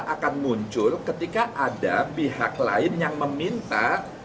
akan muncul ketika ada pihak lain yang meminta